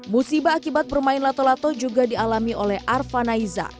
musibah akibat bermain lato lato juga dialami oleh arfa naiza